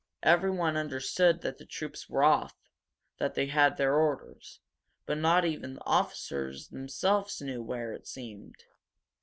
Everyone understood that the troops were off; that they had their orders. But not even the officers themselves knew where, it seemed.